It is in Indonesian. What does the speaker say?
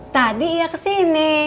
tadi iya kesini